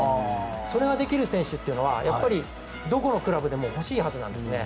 それができる選手というのはどこのクラブでも欲しいはずなんですね。